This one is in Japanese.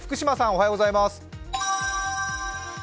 おはようございます。